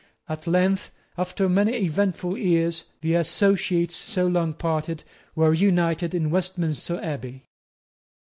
At length, after many eventful years, the associates, so long parted, were reunited in Westminster Abbey.